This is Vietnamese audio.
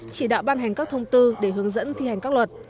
chỉ đạo ban hành các thông tư để hướng dẫn thi hành các luật